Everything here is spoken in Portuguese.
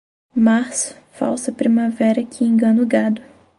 Março, falsa primavera que engana o gado.